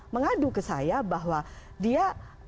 mengadu ke saya bahwa dia